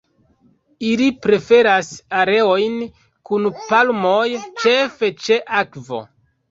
Ili preferas areojn kun palmoj, ĉefe ĉe akvo.